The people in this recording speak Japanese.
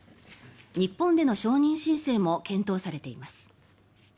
日本での承認申請も検討されています。